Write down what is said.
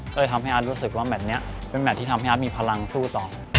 ก็เลยทำให้อาร์ตรู้สึกว่าแมทนี้เป็นแมทที่ทำให้อาร์ตมีพลังสู้ต่อ